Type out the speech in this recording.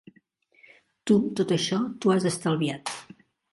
Tu tot això t'ho has estalviat.